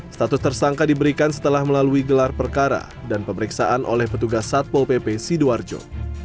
status tersangka diberikan setelah melalui gelar perkara dan pemeriksaan oleh petugas satpol pp sidoarjo